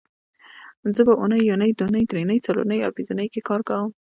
زه په اونۍ یونۍ دونۍ درېنۍ څلورنۍ او پبنځنۍ کې کار کوم